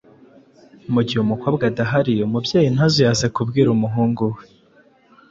Mu gihe umukobwa adahari, umubyeyi ntazuyaze kubwira umuhungu we